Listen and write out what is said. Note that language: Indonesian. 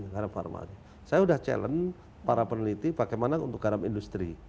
garam saya sudah challenge para peneliti bagaimana untuk garam industri